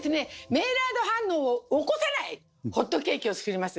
メイラード反応を起こさないホットケーキを作ります！